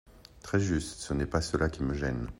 Très juste ! Ce n’est pas cela qui me gêne.